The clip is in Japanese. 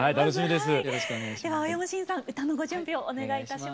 では青山新さん歌のご準備をお願いいたします。